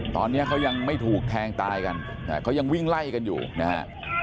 ตอนนี้เขายังไม่ถูกแทงตายกันเขายังวิ่งไล่กันอยู่นะฮะ